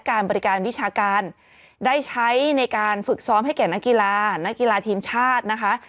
การฝึกซ้อมให้แก่นกีฬานกีฬาทีมชาตินะคะ